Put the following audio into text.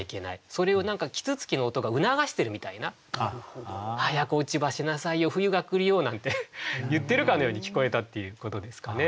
それを啄木鳥の音が促してるみたいな「早く落葉しなさいよ冬が来るよ」なんて言ってるかのように聞こえたっていうことですかね。